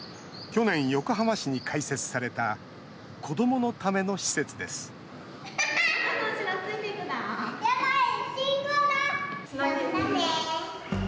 去年、横浜市に開設された子どものための施設ですまたねー！